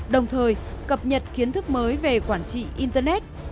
đồng thời cập nhật kiến thức mới về quản trị internet